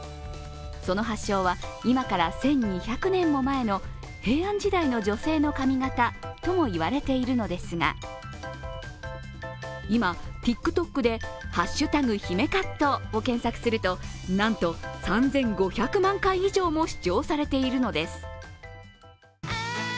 その発祥は今から１２００年も前の平安時代の女性の髪型ともいわれているのですが今、ＴｉｋＴｏｋで「＃姫カット」を検索するとなんと３５００万回以上も視聴されているのです。